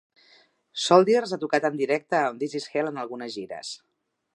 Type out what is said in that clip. Soldiers ha tocat en directe amb This Is Hell en algunes gires.